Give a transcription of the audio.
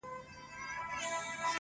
ټولو انجونو تې ويل گودر كي هغي انجــلـۍ.